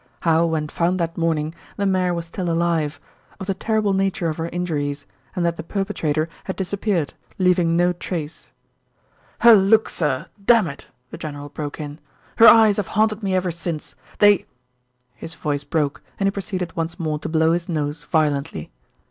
How when found that morning the mare was still alive, of the terrible nature of her injuries, and that the perpetrator had disappeared, leaving no trace. "Her look, sir! Dammit!" the general broke in. "Her eyes have haunted me ever since. They " His voice broke, and he proceeded once more to blow his nose violently.